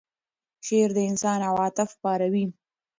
شعر د انسان عواطف پاروي.